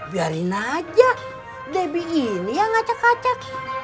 biarin aja debbie ini yang ngacak ngacak